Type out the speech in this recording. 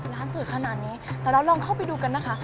สวยขนาดนี้แต่เราลองเข้าไปดูกันนะคะ